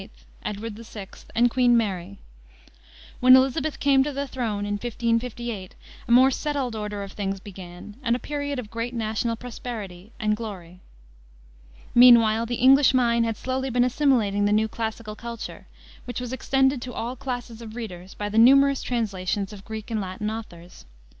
Edward VI., and Queen Mary. When Elizabeth came to the throne, in 1558, a more settled order of things began, and a period of great national prosperity and glory. Meanwhile the English mind had been slowly assimilating the new classical culture, which was extended to all classes of readers by the numerous translations of Greek and Latin authors.